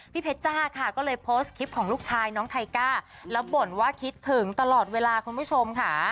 เพชรจ้าค่ะก็เลยโพสต์คลิปของลูกชายน้องไทก้าแล้วบ่นว่าคิดถึงตลอดเวลาคุณผู้ชมค่ะ